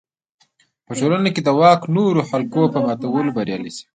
په ټولنه کې د واک نورو حلقو په ماتولو بریالی شي.